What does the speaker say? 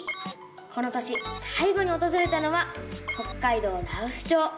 この年さい後におとずれたのは北海道羅臼町。